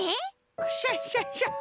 クシャシャシャ。